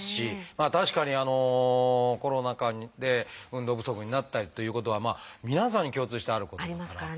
確かにコロナ禍で運動不足になったりということは皆さんに共通してあることですから。